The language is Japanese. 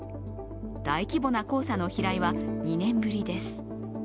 大規模な黄砂の飛来は２年ぶりです